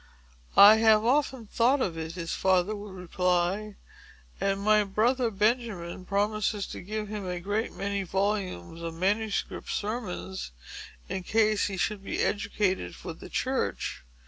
"I have often thought of it," his father would reply; "and my brother Benjamin promises to give him a great many volumes of manuscript sermons in case he should be educated for the church.